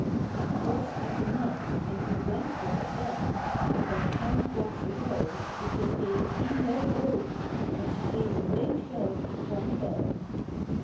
He cursed at the men, And we went for it then; With our cant dogs arow, We just gave he yo ho, When she gave a big shove From above.